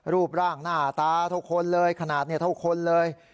รูปร่างหน้าตาเท่าคนเลยขนาดเท่าคนเลย